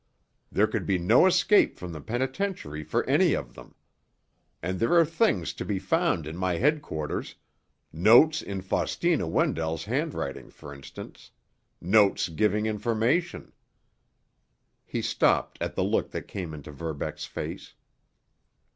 There could be no escape from the penitentiary for any of them. And there are things to be found in my headquarters—notes in Faustina Wendell's handwriting, for instance, notes giving information——" He stopped at the look that came into Verbeck's face.